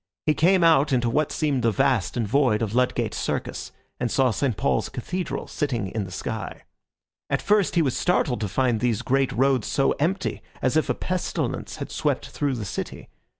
He came out into what seemed the vast and void of Ludgate Circus, and saw St. Paul's Cathedral sitting in the sky. At first he was startled to find these great roads so empty, as if a pestilence had swept through the city.